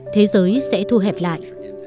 thế giới sẽ thu hẹp lại